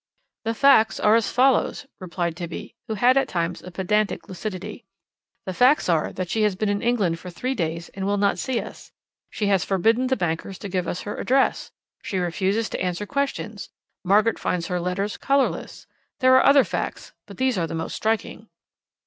"The facts are as follows," replied Tibby, who had at times a pedantic lucidity. "The facts are that she has been in England for three days and will not see us. She has forbidden the bankers to give us her address. She refuses to answer questions. Margaret finds her letters colourless. There are other facts, but these are the most striking."